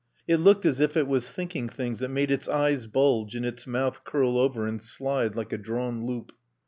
It looked as if it was thinking things that made its eyes bulge and its mouth curl over and slide like a drawn loop.